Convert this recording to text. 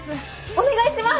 お願いします！